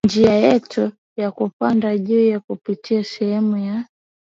njia yetu ya kupanda juu kupitia sehemu ya